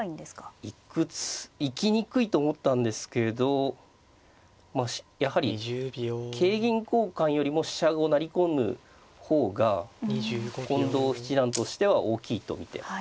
いや行きにくいと思ったんですけれどまあやはり桂銀交換よりも飛車を成り込む方が近藤七段としては大きいと見て。